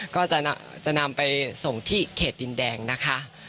ก็จะนำไปส่งที่เขตดินแดงนะคะ